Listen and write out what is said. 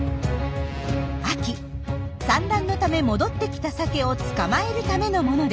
秋産卵のため戻ってきたサケを捕まえるためのものです。